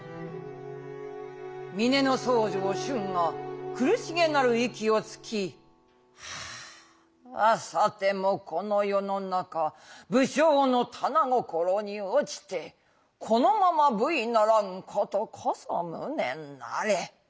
「峰僧正春雅苦し気なる息をつき『さてもこの世の中武将の掌に堕ちてこのまま無為ならん事こそ無念なれ。